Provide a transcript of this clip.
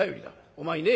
お前ね